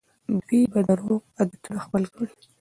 دوی به روغ عادتونه خپل کړي.